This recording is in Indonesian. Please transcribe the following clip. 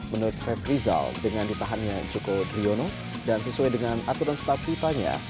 menurut ref rizal dengan ditahannya joko driono dan sesuai dengan aturan statu tanya